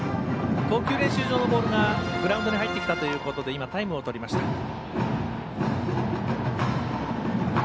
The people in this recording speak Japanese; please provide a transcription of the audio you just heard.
投球練習場のボールがグラウンドに入ってきたということで今、タイムをとりました。